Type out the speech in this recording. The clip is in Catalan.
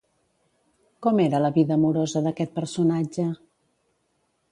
Com era la vida amorosa d'aquest personatge?